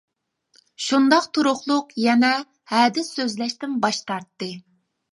شۇنداق تۇرۇقلۇق يەنە ھەدىس سۆزلەشتىن باش تارتتى.